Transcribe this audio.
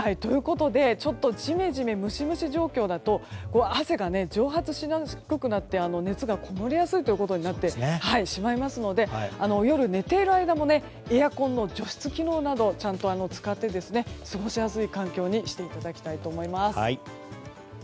ジメジメムシムシ状況だと汗が蒸発しにくくなって熱がこもりやすいことになってしまいますので夜寝ている間もエアコンの除湿機能などをちゃんと使って過ごしやすい環境にしていただきたいと思います。